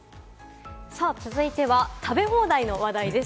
続いては食べ放題の話題です。